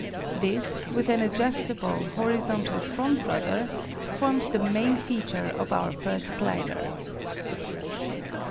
This, with an adjustable, horizontal front rudder, formed the main feature of our first glider.